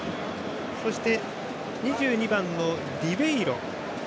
そして２２番、リベイロ。